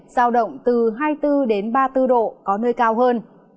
giao động từ hai mươi bốn đến ba mươi bốn độ có nơi cao hơn